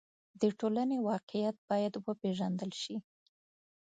د ټولنې واقعیت باید وپېژندل شي.